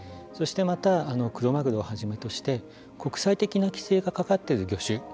そしてまたクロマグロをはじめとして国際的な規制がかかっている魚種